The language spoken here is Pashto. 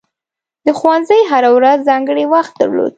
د ښوونځي هره ورځ ځانګړی وخت درلود.